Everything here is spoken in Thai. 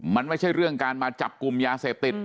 มันไม่ใช่เรื่องการมาจับกลุ่มยาเสพติด